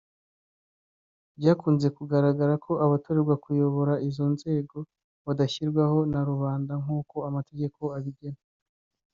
Byakunze kugaragara ko abatorerwa kuyobora izo nzego badashyirwaho na rubanda nk’uko amategeko abigena